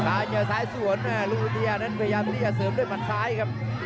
ซ้ายเกี่ยวซ้ายสวนที่ลุงวิทยาเพยินที่จะเสริมโหวนซ้ายครับ